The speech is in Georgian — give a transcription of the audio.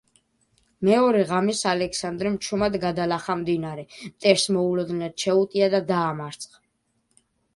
მეორე ღამეს ალექსანდრემ ჩუმად გადალახა მდინარე, მტერს მოულოდნელად შეუტია და დაამარცხა.